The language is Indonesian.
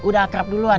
udah akrab duluan